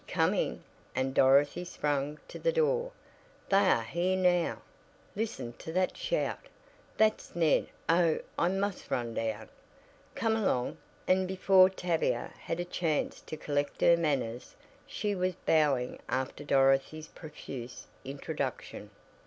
"Coming!" and Dorothy sprang to the door. "They are here now. Listen to that shout? That's Ned. Oh, I must run down. Come along," and before Tavia had a chance to "collect her manners" she was bowing after Dorothy's profuse introduction.